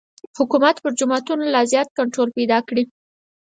حکومت پر جوماتونو لا زیات کنټرول پیدا کړي.